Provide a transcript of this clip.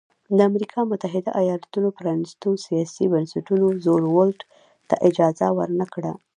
د امریکا متحده ایالتونو پرانیستو سیاسي بنسټونو روزولټ ته اجازه ورنه کړه.